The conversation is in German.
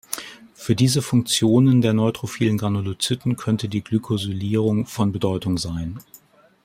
Für diese Funktionen der neutrophilen Granulozyten könnte die Glykosylierung von Bedeutung sein.